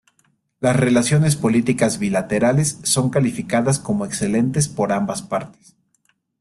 Las relaciones políticas bilaterales son calificadas como excelentes por ambas partes.